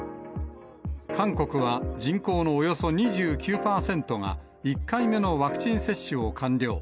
韓国は人口のおよそ２９％が、１回目のワクチン接種を完了。